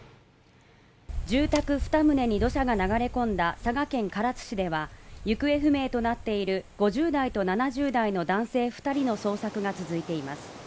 住宅２棟に土砂が流れ込んだ佐賀県唐津市では行方不明となっている５０代と７０代の男性２人の捜索が続いています。